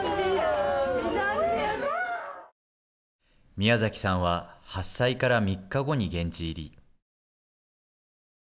宮崎さんは発災から３日後に現地入り。